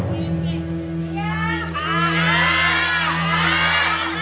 วิน